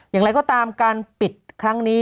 อย่างไรก็ตามการปิดครั้งนี้